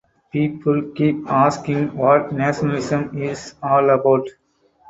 People keep asking what nationalism is all about.